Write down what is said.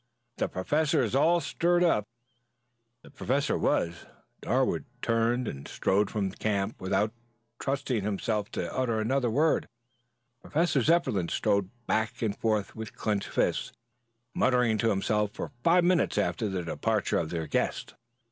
"The Professor is all stirred up." The Professor was. Darwood turned and strode from the camp without trusting himself to utter another word. Professor Zepplin strode back and forth with clenched fists, muttering to himself for five minutes after the departure of their guest.